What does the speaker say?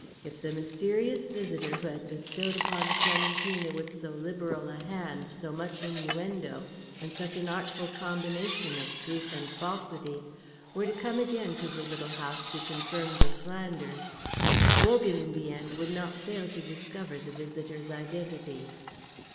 If the mysterious visitor who had bestowed upon Clementina with so liberal a hand so much innuendo and such an artful combination of truth and falsity, were to come again to the little house to confirm the slanders, Wogan in the end would not fail to discover the visitor's identity.